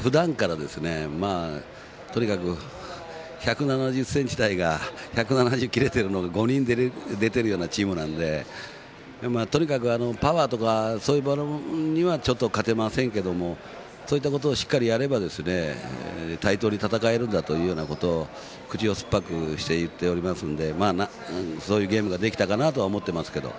ふだんから、とにかく１７０ｃｍ台が１７０切れているのが５人出ているようなチームなのでとにかくパワーとかそういうものでは勝てませんけれどもそういったことをしっかりやれば対等に戦えるんだということを口をすっぱくして言っておりますのでそういうゲームができたかなとは思ってますけど。